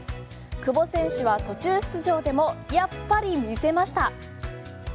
久保選手は途中出場でもやっぱり見せました。